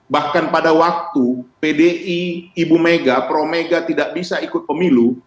bahkan pada waktu pdi ibu mega pro mega tidak bisa ikut pemilu